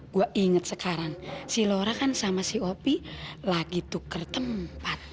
gue ingat sekarang si dora kan sama si opi lagi tuker tempat